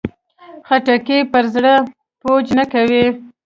خټکی پر زړه بوج نه کوي.